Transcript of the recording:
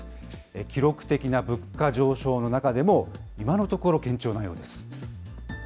記録的な物価上昇の中でも、今のところ、堅調なようです。